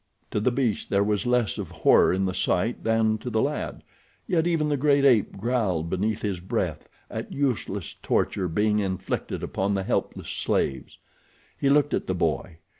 To the beast there was less of horror in the sight than to the lad, yet even the great ape growled beneath his breath at useless torture being inflicted upon the helpless slaves. He looked at the boy.